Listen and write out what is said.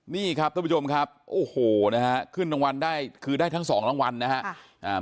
นี่ครับท่านผู้ชมครับโอ้โหนะฮะขึ้นรางวัลได้คือได้ทั้งสองรางวัลนะครับ